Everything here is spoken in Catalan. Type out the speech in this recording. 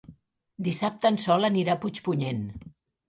Dissabte en Sol anirà a Puigpunyent.